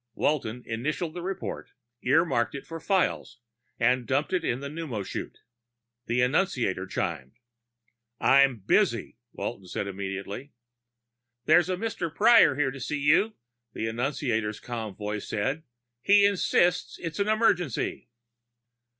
Walton initialed the report, earmarked it for files, and dumped it in the pneumochute. The annunciator chimed. "I'm busy," Walton said immediately. "There's a Mr. Prior to see you," the annunciator's calm voice said. "He insists it's an emergency."